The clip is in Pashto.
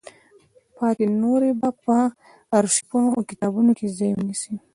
پاتې نورې به په ارشیفونو او کتابونو کې ځای ونیسي.